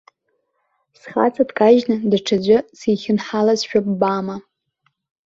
Схаҵа дкажьны, даҽаӡәы сихьынҳалазшәа ббама!